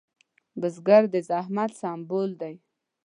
بزګر د زحمت سمبول دی